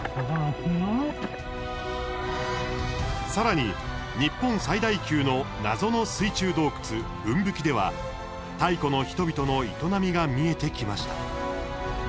さらに、日本最大級の謎の水中洞窟ウンブキでは太古の人々の営みが見えてきました。